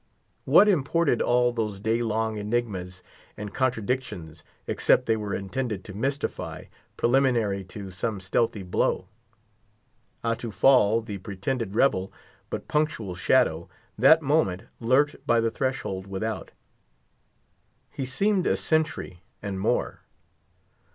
What imported all those day long enigmas and contradictions, except they were intended to mystify, preliminary to some stealthy blow? Atufal, the pretended rebel, but punctual shadow, that moment lurked by the threshold without. He seemed a sentry, and more.